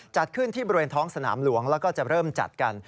จัดขึ้นที่บริเวณท้องสนามหลวงแล้วก็จะเริ่มจัดกัน